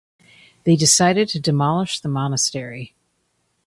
They decided to demolish the monastery.